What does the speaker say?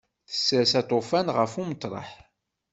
Tsers aṭufan ɣef umeṭreḥ.